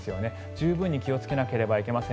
十分に気をつけなければいけません。